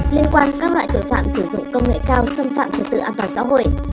liên quan các loại tội phạm sử dụng công nghệ cao xâm phạm trật tự an toàn xã hội